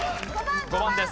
５番です